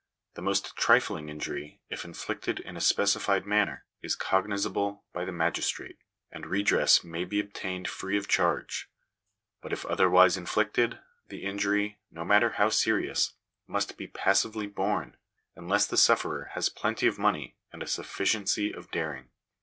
The most trifling injury, if inflicted in a specified manner, is cognizable by the magistrate, and redress may be obtained free of charge ; but if otherwise inflicted, the injury, no matter how serious, must be passively borne, unless the suf ferer has plenty of money and a sufficiency of daring.